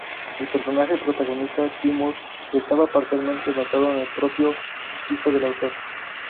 El personaje protagonista, Timur, estaba parcialmente basado en el propio hijo del autor.